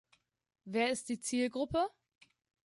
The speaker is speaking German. Wer ist die Zielgruppe?